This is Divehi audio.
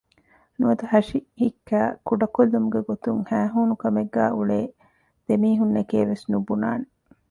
ނުވަތަ ހަށި ހިއްކައި ކުޑަކޮށްލުމުގެ ގޮތުން ހައިހޫނުކަމެއްގައި އުޅޭ ދެމީހުންނެކޭ ވެސް ނުބުނާނެ